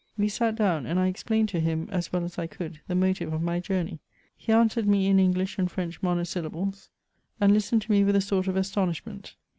We sat down, and I explained to him, as well as I could, the motive of my journey. He answered me in English and French monosyllables, and listened to me with a sort of astonishment.